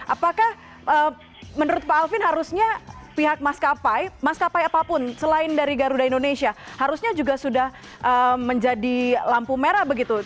apakah menurut pak alvin harusnya pihak maskapai maskapai apapun selain dari garuda indonesia harusnya juga sudah menjadi lampu merah begitu